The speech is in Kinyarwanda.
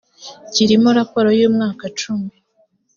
kirimo raporo y umwaka cumi